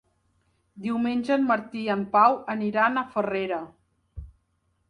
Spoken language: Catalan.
Diumenge en Martí i en Pau aniran a Farrera.